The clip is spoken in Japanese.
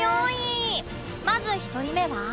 まず１人目は